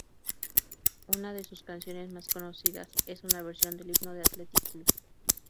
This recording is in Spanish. Una de sus canciones más conocidas es una versión del himno del Athletic Club.